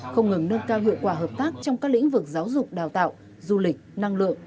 không ngừng nâng cao hiệu quả hợp tác trong các lĩnh vực giáo dục đào tạo du lịch năng lượng